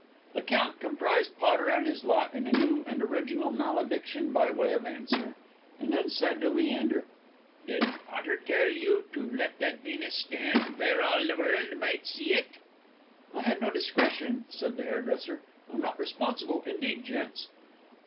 The Count comprised Potter and his lot in a new and original malediction by way of answer, and then said to Leander, "Did Potter tell you to let that Venus stand where all the world might see it?" "I had no discretion," said the hairdresser. "I'm not responsible, indeed, gents."